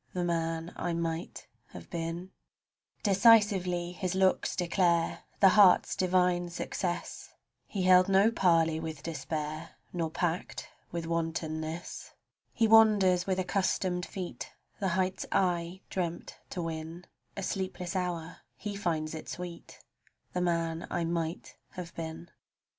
90 THE MAN I MIGHT HAVE BEEN Decisively his looks declare The heart's divine success; He held no parley with despair, Nor pact with wantonness; He wanders with accustomed feet The heights I dreamt to win; A sleepless hour, he finds it sweet The man I might have been.